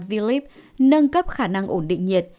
v lib nâng cấp khả năng ổn định nhiệt